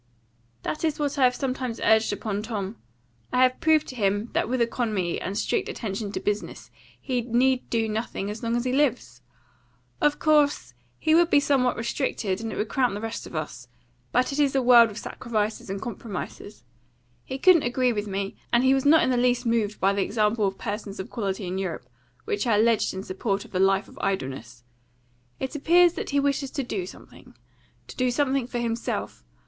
"That is what I have sometimes urged upon Tom. I have proved to him that with economy, and strict attention to business, he need do nothing as long as he lives. Of course he would be somewhat restricted, and it would cramp the rest of us; but it is a world of sacrifices and compromises. He couldn't agree with me, and he was not in the least moved by the example of persons of quality in Europe, which I alleged in support of the life of idleness. It appears that he wishes to do something to do something for himself.